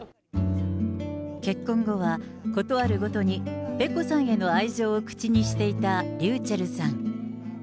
結婚後は、事あるごとにペコさんへの愛情を口にしていたｒｙｕｃｈｅｌｌさん。